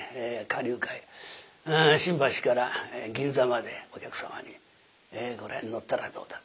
花柳界新橋から銀座までお客様に「これに乗ったらどうだ」